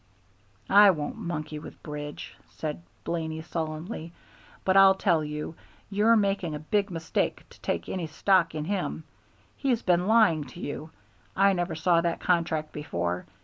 "I won't monkey with Bridge," said Blaney, sullenly; "but I'll tell you, you're making a big mistake to take any stock in him. He's been lying to you. I never saw that contract before.